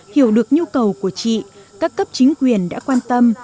hiểu được nhu cầu của chị các cấp chính quyền đã quan tâm